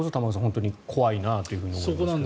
本当に怖いなと思いますけど。